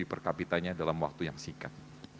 per kapitanya dalam waktu yang singkat